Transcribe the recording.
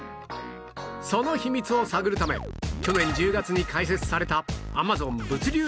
その秘密を探るため去年１０月に開設された Ａｍａｚｏｎ 物流拠点へ